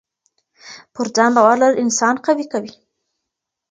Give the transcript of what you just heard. پر ځان باور لرل انسان قوي کوي.